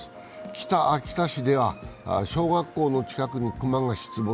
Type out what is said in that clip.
北秋田市では小学校の近くに熊が出没。